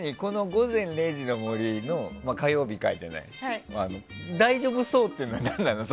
「午前０時の森」の火曜日回は大丈夫そうというのは何なの？